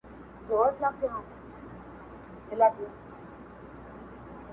نوم چي مي پر ژبه د قلم پر تخته کښلی دی -